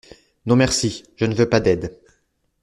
Non merci, je ne veux pas d’aide.